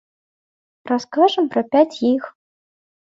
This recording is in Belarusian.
Раскажам пра пяць з іх.